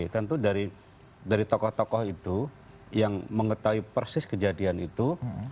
tentu dari tokoh tokoh itu yang mengetahui persis kejadian itu